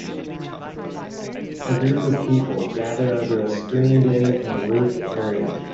A group of people gather under a screened in and roofed area.